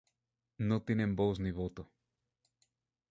No tienen voz ni voto.